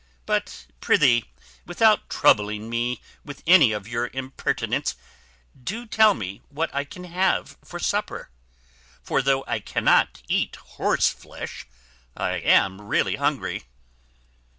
But, prithee, without troubling me with any of your impertinence, do tell me what I can have for supper; for, though I cannot eat horse flesh, I am really hungry."